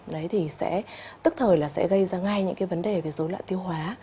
đấy thì sẽ tức thời là sẽ gây ra ngay những cái vấn đề về dối loạn tiêu hóa